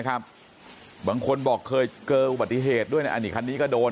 ครับบางคนบอกเคยเกิดบัตรที่เหตุด้วยอันนี้คันนี้ก็โดน